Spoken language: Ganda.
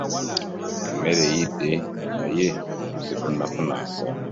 Emmere eyidde naye tetunnafuna nva.